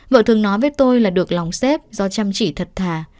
vợ thường nói với tôi là được lòng xếp do chăm chỉ thật thà